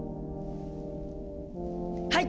はい！